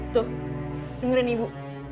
tuh dengerin ibu